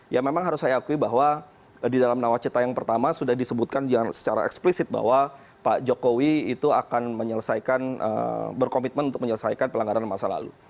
ya memang harus saya akui bahwa di dalam nawacita yang pertama sudah disebutkan secara eksplisit bahwa pak jokowi itu akan menyelesaikan berkomitmen untuk menyelesaikan pelanggaran masa lalu